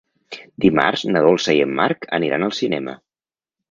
Dimarts na Dolça i en Marc aniran al cinema.